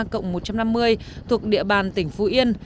một ba trăm năm mươi ba cộng một trăm năm mươi thuộc địa bàn tỉnh phú yên